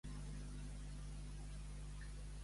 Collita de cistella, caga't en ella.